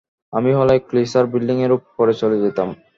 আমি হলে Chrysler building এর উপরে চলে যেতাম।